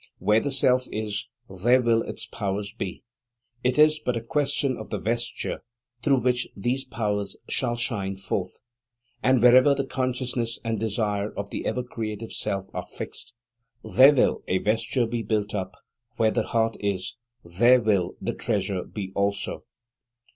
Where the Self is, there will its powers be. It is but a question of the vesture through which these powers shall shine forth. And wherever the consciousness and desire of the ever creative Self are fixed, there will a vesture be built up; where the heart is, there will the treasure be also.